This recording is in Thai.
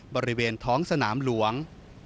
บริเวณท้องสนามหลวง